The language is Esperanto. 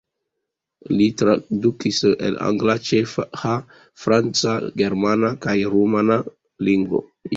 Li tradukis el angla, ĉeĥa, franca, germana kaj rumana lingvoj.